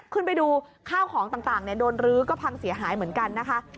ขึ้นไปดูข้าวของต่างโดนรื้อก็พังเสียหายเหมือนกันนะคะ